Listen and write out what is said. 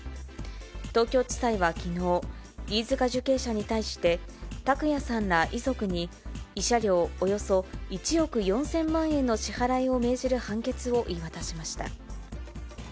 東京地裁はきのう、飯塚受刑者に対して、拓也さんら遺族に、慰謝料およそ１億４０００万円の支払いを命じる判決を言い渡しま